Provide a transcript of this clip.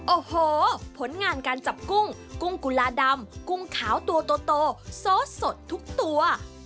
โอ้โหผลงานการจับกุ้งกุ้งกุลาดำกุ้งขาวตัวโตซอสสดทุกตัว